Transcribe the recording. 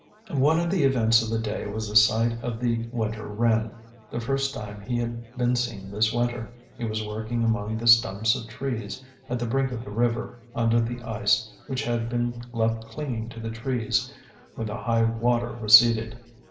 One of the events of the day was the sight of the winter wren, the first time he had been seen this winter. He was working among the stumps of trees at the brink of the river, under the ice which had been left clinging to the trees when the high water receded.